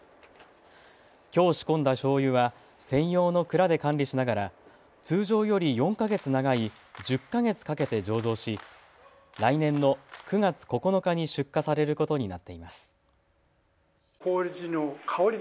きょう仕込んだしょうゆは専用の蔵で管理しながら通常より４か月長い１０か月かけて醸造し来年の９月９日に出荷されることになっています。